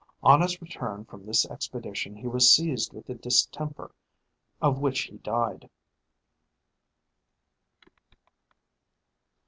On his return from this expedition he was seized with the distemper of which he died.